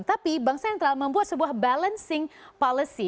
tapi bank sentral membuat sebuah balancing policy